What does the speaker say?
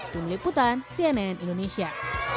tim liputan cnn indonesia